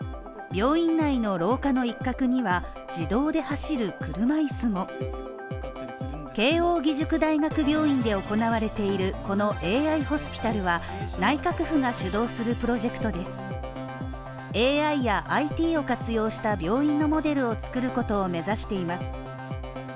病院内の廊下の一角には自動で走る車いすも慶應義塾大学病院で行われているこのＡＩホスピタルは内閣府が主導するプロジェクトで、ＡＩやＩＴを活用した病院のモデルをつくることをめざしています。